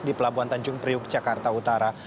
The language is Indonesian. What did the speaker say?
di pelabuhan tanjung priuk jakarta utara